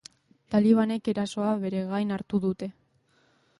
Talibanek erasoa bere gain hartu dute.